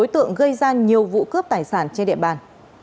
tượng gây ra nhiều vụ cướp tài sản trên địa bàn